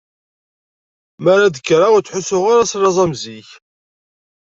Mi ara d-kkreɣ ur ttḥussuɣ ara s laẓ am zik.